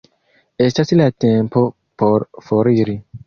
Estas la tempo por foriri.